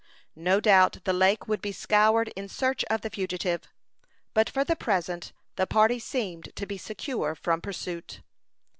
No doubt the lake would be scoured in search of the fugitive; but for the present the party seemed to be secure from pursuit.